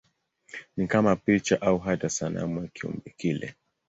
Ni kama picha au hata sanamu ya kiumbe kile.